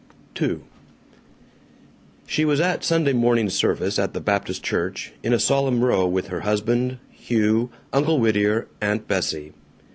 II She was at Sunday morning service at the Baptist Church, in a solemn row with her husband, Hugh, Uncle Whittier, Aunt Bessie.